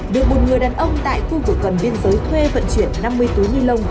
được một người đàn ông tại khu vực gần biên giới thuê vận chuyển năm mươi túi ni lông